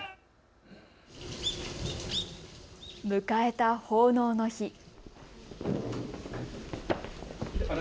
迎えた奉納の日。